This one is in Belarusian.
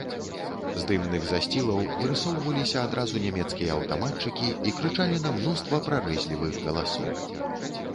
З дымных засцілаў вырысоўваліся адразу нямецкія аўтаматчыкі і крычалі на мноства прарэзлівых галасоў.